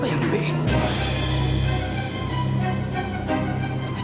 golongan darah siapa yang b